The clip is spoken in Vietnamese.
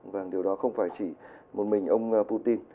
và điều đó không phải chỉ một mình ông putin